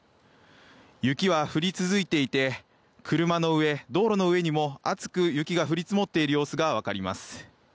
雪は降り続いていて車の上、道路の上にも厚く雪が降り積もっている様子が分かります。